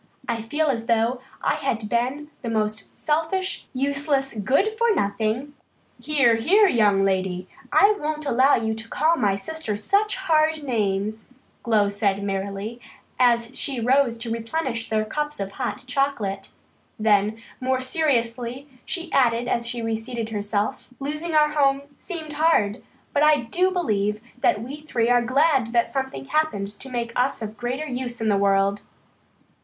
I feel as though I had been the most selfish, useless, good for nothing " "Here, here, young lady. I won't allow you to call my sister such hard names," Glow said merrily as she rose to replenish their cups of hot chocolate. Then, more seriously, she added as she reseated herself: "Losing our home seemed hard, but I do believe that we three are glad that something happened to make us of greater use in the world."